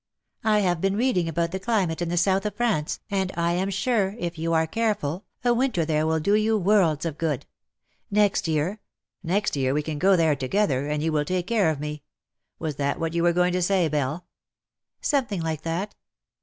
I have been reading about the climate in the South of France, and I am sure, if you are careful, a winter there will do you worlds of good. Next year ^^" Next year we can go there together, and you 143 will take care of me. Was tliat wliat you were going to say^ Belle?" '' Something like that."